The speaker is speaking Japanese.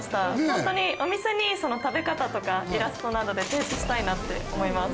ホントにお店にその食べ方とかイラストなどで提示したいなって思います。